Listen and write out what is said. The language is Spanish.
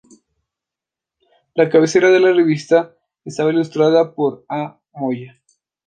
La cabecera de la revista estaba ilustrada por A. Moya.